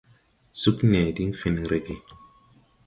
Sug nee diŋ fen rege.